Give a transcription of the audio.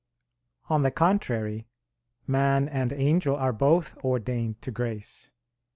On the contrary, Man and angel are both ordained to grace.